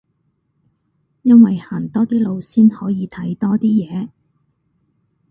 因為行多啲路先可以睇多啲嘢